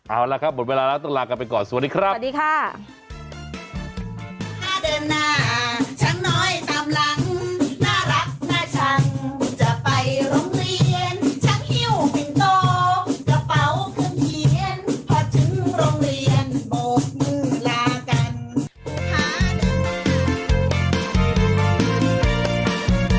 เอาละครับหมดเวลาแล้วต้องลากลับไปก่อนสวัสดีครับ